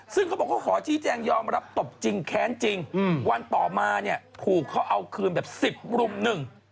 ซึ่งเขาบอกเขาขอชี้แจงยอมรับตบจริงแค้นจริงวันต่อมาเนี่ยถูกเขาเอาคืนแบบสิบรุมหนึ่ง